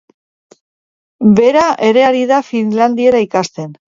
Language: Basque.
Bera ere ari da finlandiera ikasten.